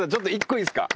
１個いいですか？